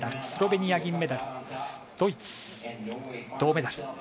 スロベニア、銀メダルドイツ、銅メダル。